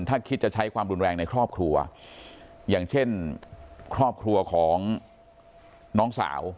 ถ้าคิดจะใช้ความรุนแรงในครอบครัวอย่างเช่นครอบครัวของน้องสาว